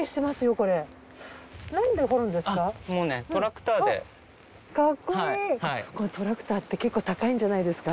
これトラクターって結構高いんじゃないですか？